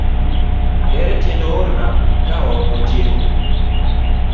Ere tiende oorna kaok otieko.